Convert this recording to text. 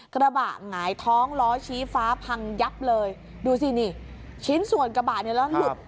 กระบะหงายท้องล้อชี้ฟ้าพังยับเลยดูสินี่ชิ้นส่วนกระบะเนี่ยแล้วหลุด